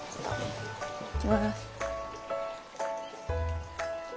いきます。